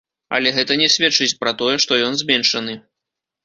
Але гэта не сведчыць пра тое, што ён зменшаны.